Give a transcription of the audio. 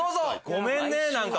ごめんね何か。